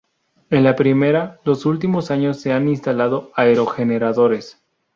En la primera, los últimos años se han instalado aerogeneradores.